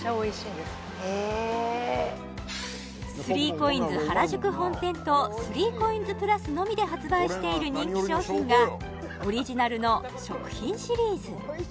ＣＯＩＮＳ原宿本店と３ＣＯＩＮＳ＋ｐｌｕｓのみで発売している人気商品がオリジナルの食品シリーズ